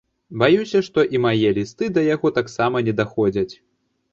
Баюся, што і мае лісты да яго таксама не даходзяць.